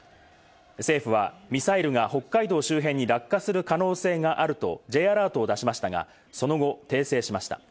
政府はミサイルが北海道周辺に落下する可能性があるとＪアラートを出しましたが、その後、訂正しました。